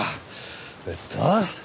えっと